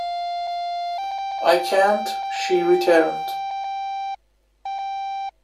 "I can't," she returned.